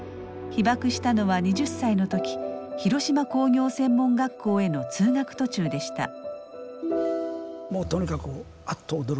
被爆したのは２０歳の時広島工業専門学校への通学途中でした。